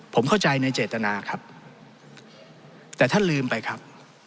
ผมเข้าใจในเจตนาครับแต่ท่านลืมไปครับ